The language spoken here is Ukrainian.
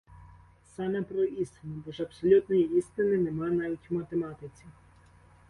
Саме про істину, бо ж абсолютної істини нема навіть у математиці.